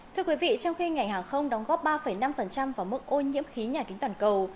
thưa quý vị trong khi ngành hàng không đóng góp ba năm vào mức ô nhiễm khí nhà kính toàn cầu